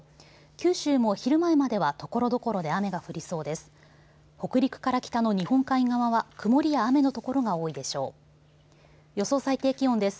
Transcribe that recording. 九州も昼前まではところどころで雨が降りそうです。